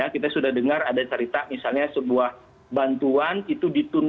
kita sudah dengar ada cerita misalnya sebuah bantuan itu ditunda